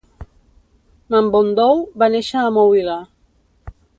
Mamboundou va néixer a Mouila.